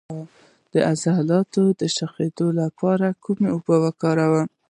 د عضلاتو د شخیدو لپاره کومې اوبه وکاروم؟